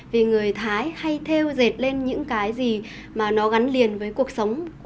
vì người thái hay theo dệt lên những cái gì mà nó gắn liền với cuộc sống của người dân tộc